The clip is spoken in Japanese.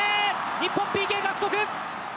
日本、ＰＫ獲得！